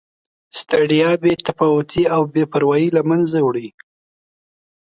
ستړیا، بې تفاوتي او بې پروایي له مینځه وړي.